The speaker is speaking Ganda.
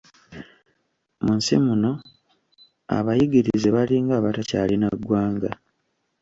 Mu nsi muno abayigirize balinga abatakyalina ggwanga.